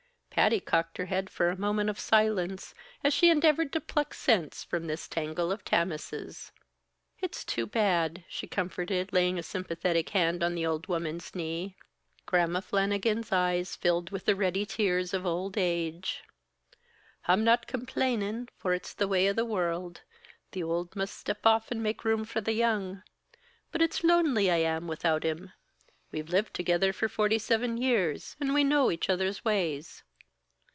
Patty cocked her head for a moment of silence, as she endeavored to pluck sense from this tangle of Tammases. "It's too bad!" she comforted, laying a sympathetic hand on the old woman's knee. Gramma Flannigan's eyes filled with the ready tears of old age. "I'm not complainin', for it's the way o' the world. The owld must step off, an' make room for the young. But it's lonely I am without him! We've lived together for forty seven years, an' we know each other's ways."